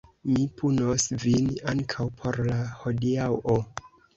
Mi punos vin ankaŭ por la hodiaŭo.